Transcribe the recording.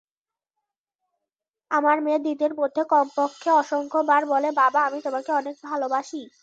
আমার মেয়ে দিনের মধ্যে কমপক্ষে অসংখ্যবার বলে বাবা আমি তোমাকে অনেক ভালোবাসি।